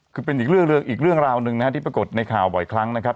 คือเป็นอีกเรื่องราวนึงนะครับที่ปรากฏในข่าวบ่อยครั้งนะครับ